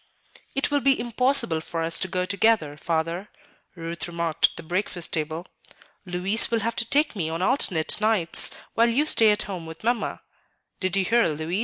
"It will be impossible for us to go together, Father," Ruth remarked at the breakfast table. "Louis will have to take me on alternate nights, while you stay at home with Mamma; did you hear, Louis?"